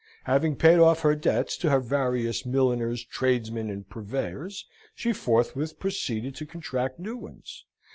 Having paid off her debts to her various milliners, tradesmen, and purveyors, she forthwith proceeded to contract new ones.